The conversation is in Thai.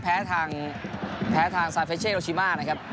แพ้ทางแพ้ทางซานเฟชเช่โรชิมานะครับ